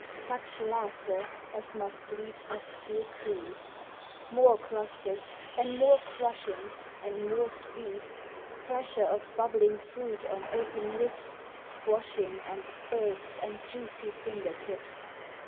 Such laughter as must leap up to a creed ; More clusters and more crushings and more speed, Pressure of bubbling fruit on open lips. Squashing and spirts and juicy finger tips